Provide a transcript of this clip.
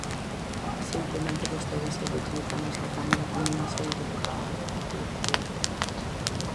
Simplemente vostede segue utilizando esta Cámara como unha sede de propaganda do Partido Popular.